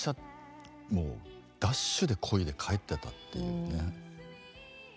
もうダッシュでこいで帰ってたっていうね。